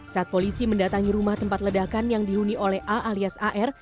saat polisi mendatangi rumah tempat ledakan yang dihuni oleh a alias ar